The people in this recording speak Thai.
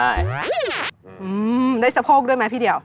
ได้สะโพกด้วยไหมพี่เดียว